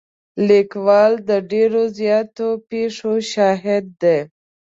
لیکوال د ډېرو زیاتو پېښو شاهد دی.